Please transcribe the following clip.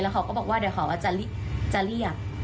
เขาก็บอกว่าเดี๋ยวเขาจะเรียก